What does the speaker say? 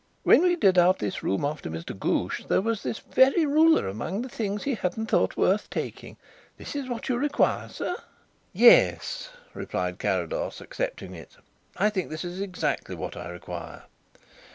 "When we did out this room after Mr. Ghoosh, there was this very ruler among the things that he hadn't thought worth taking. This is what you require, sir?" "Yes," replied Carrados, accepting it, "I think this is exactly what I require."